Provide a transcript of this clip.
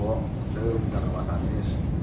saya berbincang dengan mas anis